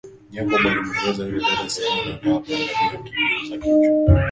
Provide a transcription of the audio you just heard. Jacob alimuelekeza yule dada sehemu anayotaka kwenda bila kugeuza kichwa